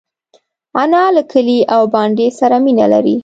انا له کلي او بانډې سره مینه لري